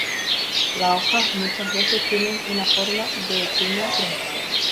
Las hojas muchas veces tienen una forma de cuña truncada.